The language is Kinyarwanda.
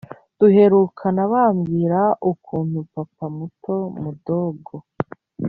duherukana mbabwira ukuntu papa muto(mudogo)